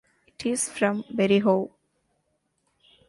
It is from Berehove.